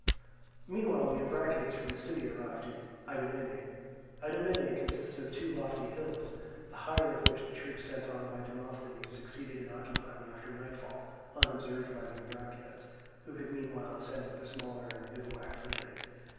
Meanwhile the Ambraciots from the city arrived at Idomene. Idomene consists of two lofty hills, the higher of which the troops sent on by Demosthenes succeeded in occupying after nightfall, unobserved by the Ambraciots, who had meanwhile ascended the smaller and bivouacked under it.